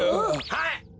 はい。